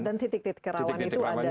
dan titik titik rawan itu ada di